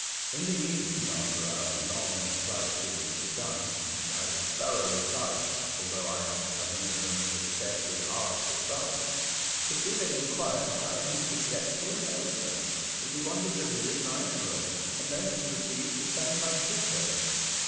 In the evening, after our long sight seeing was done, and I was thoroughly tired (although I had accompanied them to scarcely half the sights), Posela inquired how he could get to America, as he wanted to visit Niagara, and then to proceed to San Francisco.